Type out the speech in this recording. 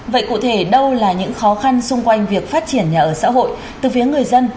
vậy cụ thể đâu là những khó khăn xung quanh việc phát triển nhà ở xã hội từ phía người dân